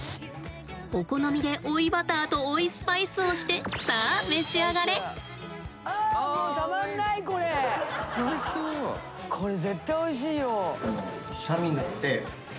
お好みで追いバターと追いスパイスをしてさあこれ絶対おいしいよ。